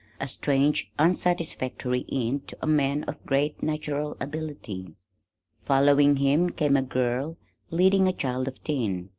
A strange, unsatisfactory end to a man of great natural ability. Following him came a young girl leading a child of ten.